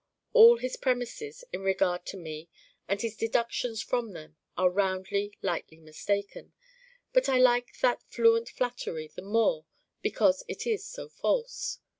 All his premises in regard to me and his deductions from them are roundly lightly mistaken. But I like that fluent flattery the more because it is so false.